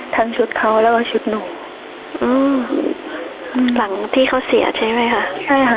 ทั้งชุดเขาแล้วก็ชุดหนูอืมหลังที่เขาเสียใช่ไหมคะใช่ค่ะ